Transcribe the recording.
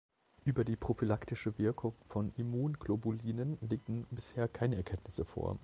Über die prophylaktische Wirkung von Immunglobulinen liegen bisher keine Erkenntnisse vor.